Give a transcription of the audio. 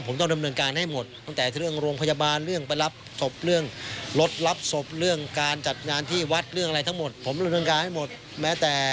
ผมร่างกายให้หมดแม้แต่เรื่องที่ไปเอา